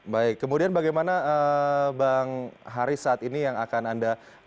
baik kemudian bagaimana bang haris saat ini yang akan anda